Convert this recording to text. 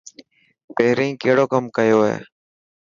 پهرين ڪڙو ڪم ڪيو هو.